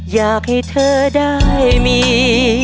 อยากให้เธอได้มี